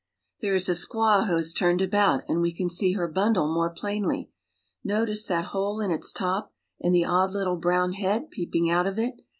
There is a squaw who has turned about, and we can see her bundle more plainly. Notice that hole in its top and the odd little brown head peeping out of it.